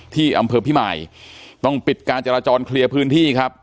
ที่อำเภอพิมายต้องปิดการจราจรเคลียร์พื้นที่ครับ